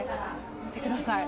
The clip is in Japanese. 見てください。